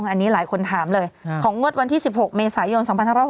อันนี้หลายคนถามเลยของงวดวันที่๑๖เมษายน๒๖๖